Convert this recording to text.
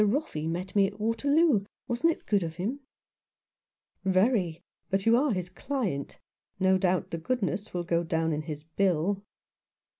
Roffey met me at Waterloo. Wasn't it good of him ?" 81 G Rough Justice. " Very ; but you are his client. No doubt the goodness will go down in his bill."